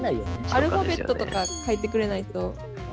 アルファベットとか書いてくれないと分からん。